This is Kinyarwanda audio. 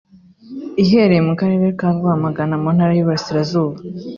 ihereye mu karere ka Rwamagana mu ntara y’iburasirazuba